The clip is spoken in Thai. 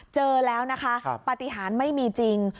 เจอแล้วนะคะปฏิหารไม่มีจริง